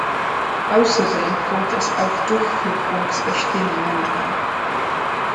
Außerdem kommt es auf Durchführungsbestimmungen an.